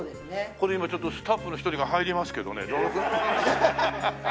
これ今スタッフの一人が入りますけどね。